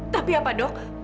tapi apa dok